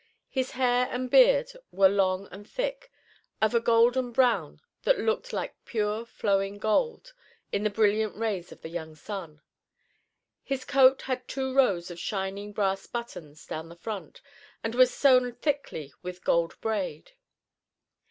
His hair and beard were long and thick, of a golden brown that looked like pure flowing gold in the brilliant rays of the young sun. His coat had two rows of shining brass buttons down the front, and was sewn thickly with gold braid.